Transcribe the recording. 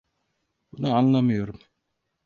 Bunu anlamıyorum.